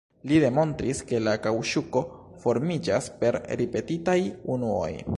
Li demonstris ke la kaŭĉuko formiĝas per ripetitaj unuoj.